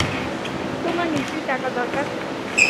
তোমার নিশ্চয়ই টাকা দরকার।